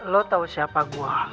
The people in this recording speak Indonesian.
lo tau siapa gue